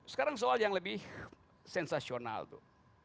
sekarang soal yang lebih sensasional tuh